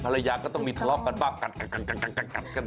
เรื่องของโชคลาบนะคะ